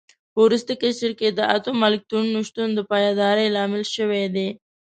په وروستي قشر کې د اتو الکترونونو شتون د پایداري لامل شوی دی.